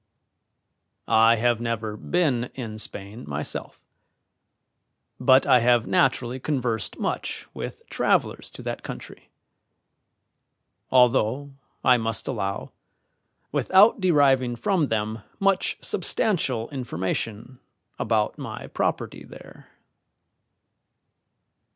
I have never been in Spain myself, but I have naturally conversed much with travellers to that country; although, I must allow, without deriving from them much substantial information about my property there.